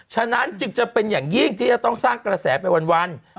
ฉะนั้นจึงจะเป็นอย่างยิ่งที่จะต้องสร้างกระแสไปวัน